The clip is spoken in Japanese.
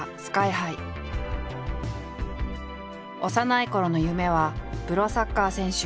幼いころの夢はプロサッカー選手。